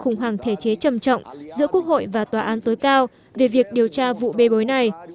khủng hoảng thể chế trầm trọng giữa quốc hội và tòa án tối cao về việc điều tra vụ bê bối này